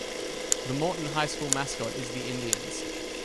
The Morton High School mascot is the Indians.